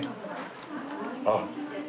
あっ。